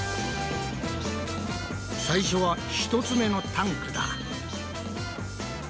最初は１つ目のタンクだ。